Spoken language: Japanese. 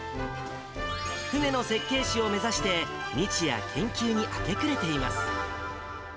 船の設計士を目指して、日夜、研究に明け暮れています。